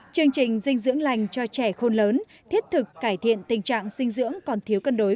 chương trình dinh dưỡng lành cho trẻ khôn lớn thiết thực cải thiện tình trạng dinh dưỡng còn thiếu cân đối